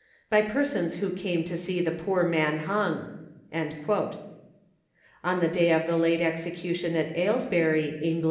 by persons who came « to see the poor man hung.' " On the day of the late execution at Aylesbury, (Eng.)